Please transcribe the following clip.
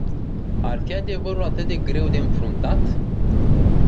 Ar fi adevărul atât de greu de înfruntat?